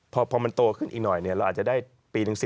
พอมันโตขึ้นอีกหน่อยเราอาจจะได้ปีหนึ่ง๔๐